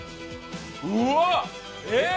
うわあ！えっ！